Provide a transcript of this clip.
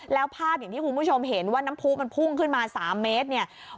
แล้วภาพอย่างที่คุณผู้ชมเห็นว่าน้ำผู้มันพุ่งขึ้นมา๓เมตรเนี่ย